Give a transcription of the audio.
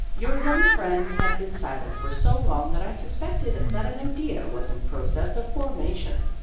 Your young friend had been silent for so long that I suspected that an idea was in process of formation.